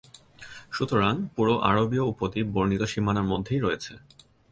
সুতরাং, পুরো আরবীয় উপদ্বীপ বর্ণিত সীমানার মধ্যেই রয়েছে।